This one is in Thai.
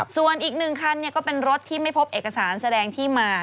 ส่วนอีก๑คันก็เป็นรถที่ไม่พบเอกสารแสดงที่มา